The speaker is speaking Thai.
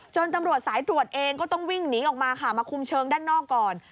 ตำรวจสายตรวจเองก็ต้องวิ่งหนีออกมาค่ะมาคุมเชิงด้านนอกก่อน